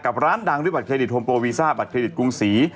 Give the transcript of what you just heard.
ร้านดังด้วยบัตเครดิตโฮมโปรวีซ่าบัตรเครดิตกรุงศรี